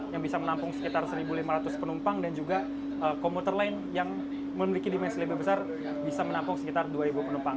yang bisa menampung sekitar satu lima ratus penumpang dan juga komuter lain yang memiliki dimensi lebih besar bisa menampung sekitar dua penumpang